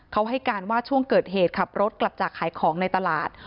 เขาให้การว่าช่วงเกิดเหตุขับรถกลับจากขายของในตลาด